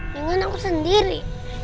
yang kan aku sendiri